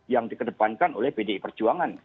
yang akan kita kedepankan oleh pdi perjuangan